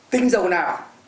tinh dầu nào